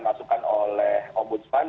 masukan oleh om budsman